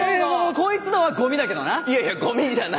こいつのはゴミだけどな！